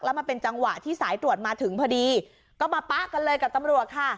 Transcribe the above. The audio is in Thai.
มันเป็นจังหวะที่สายตรวจมาถึงพอดีก็มาป๊ะกันเลยกับตำรวจค่ะ